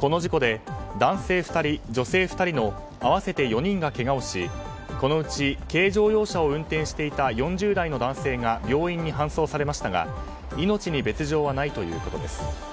この事故で、男性２人女性２人の合わせて４人がけがをしこのうち軽乗用車を運転していた４０代の男性が病院に搬送されましたが命に別条はないということです。